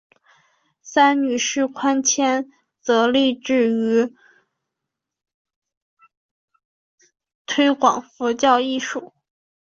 三女释宽谦则致力于推广佛教艺术。